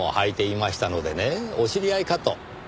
お知り合いかと。